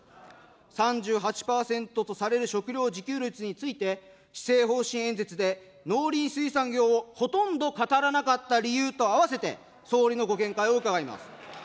３８％とされる食料自給率について、施政方針演説で農林水産業をほとんど語らなかった理由と合わせて、総理のご見解を伺います。